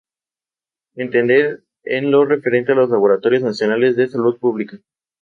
Entender en lo referente a los laboratorios nacionales de salud pública.